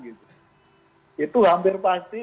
itu hampir pasti